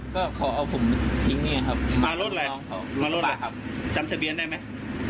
ก็ขอเอาผมทิ้งเนี่ยครับมารถอะไรของเขามารถอะไรครับจำทะเบียนได้ไหม